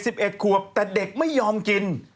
เด็ก๑๑ควบแต่เด็กไม่ยอมกิน